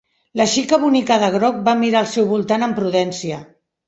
La xica bonica de groc va mirar al seu voltant amb prudència.